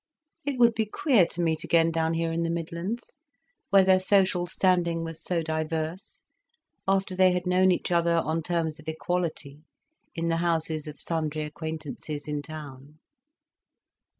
It would be queer to meet again down here in the Midlands, where their social standing was so diverse, after they had known each other on terms of equality in the houses of sundry acquaintances in town.